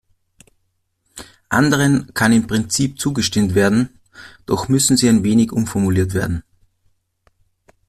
Anderen kann im Prinzip zugestimmt werden, doch müssen sie ein wenig umformuliert werden.